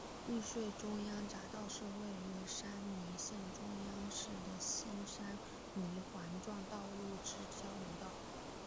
玉穗中央匝道是位于山梨县中央市的新山梨环状道路之交流道。